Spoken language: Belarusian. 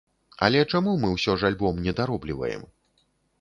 Але чаму мы ўсё ж альбом не даробліваем?